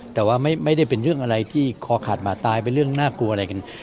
แต่ว่าไม่ได้เป็นเรื่องอะไรที่คอขาดหมาตายเป็นเรื่องน่ากลัวอะไรกัน